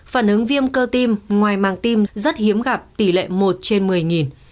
phản ứng viêm cơ tiêm ngoài màng tiêm rất hiếm gặp tỷ lệ một trên một mươi